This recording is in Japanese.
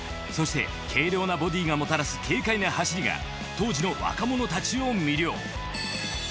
そして軽量なボディがもたらす軽快な走りが当時の若者たちを魅了。